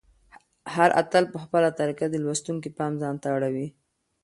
هر اتل په خپله طریقه د لوستونکي پام ځانته اړوي.